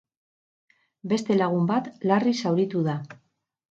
Beste lagun bat larri zauritu da.